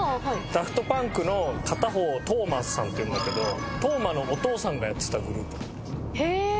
ダフト・パンクの片方トーマさんっていうんだけどトーマのお父さんがやってたグループなんだよ。へえ！